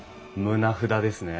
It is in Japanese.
棟札ですね？